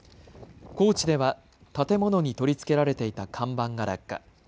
高知では建物に取り付けられていた看板が落下。